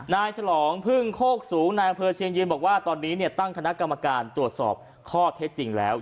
ฉลองพึ่งโคกสูงนายอำเภอเชียงยืนบอกว่าตอนนี้ตั้งคณะกรรมการตรวจสอบข้อเท็จจริงแล้ว